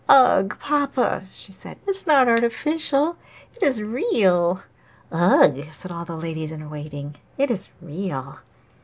'Ugh! Papa,' she said, 'it is not artificial, it is REAL!' 'Ugh!' said all the ladies in waiting, 'it is real!